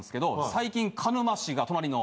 最近鹿沼市が隣の。